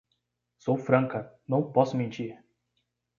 Sou franca, não posso mentir!